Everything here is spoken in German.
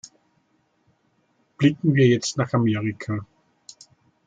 Blicken wir jetzt nach Amerika.